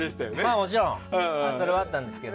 もちろんそれはあったんですけど。